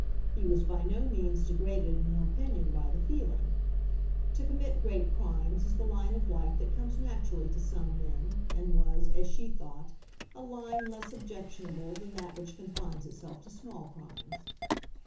He was by no means degraded in her opinion by the feeling. To commit great crimes is the line of life that comes naturally to some men, and was, as she thought, a line less objectionable than that which confines itself to small crimes.